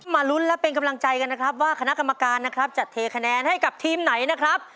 ลุ้นและเป็นกำลังใจกันนะครับว่าคณะกรรมการนะครับจะเทคะแนนให้กับทีมไหนนะครับ